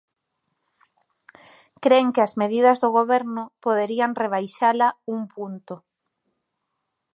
Cren que as medidas do Goberno poderían rebaixala un punto.